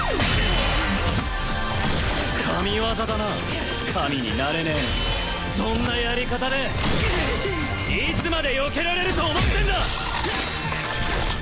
神業だな神になれねえのにそんなやり方でいつまでよけられると思ってんだ！